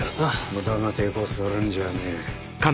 無駄な抵抗するんじゃねえ。